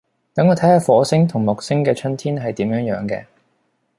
等我睇吓火星同木星嘅春天係點樣樣嘅